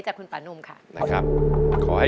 จากคุณป่านุ่มค่ะ